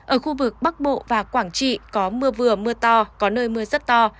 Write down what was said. ở khu vực bắc bộ và quảng trị có mưa vừa mưa to có nơi mưa rất to